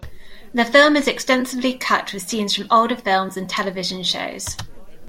The film is extensively cut with scenes from older films and television shows.